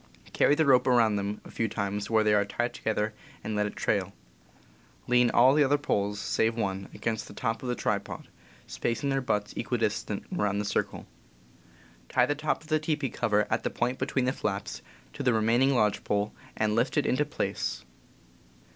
Carry the rope around them a few times where they are tied together, and let it trail. Lean all the other poles, save one, against the top of the tripod, spacing their butts equidistant around the circle. Tie the top of the teepee cover, at the point between the flaps, to the remaining lodge pole, and lift it into place.